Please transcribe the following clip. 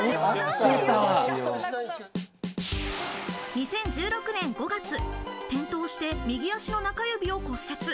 ２０１６年５月、転倒して右脚の中指を骨折。